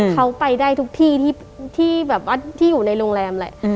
เขาไปได้ทุกที่ที่อยู่ในโรงแรมเลย